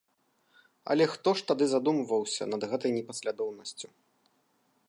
Але хто ж тады задумваўся над гэтай непаслядоўнасцю?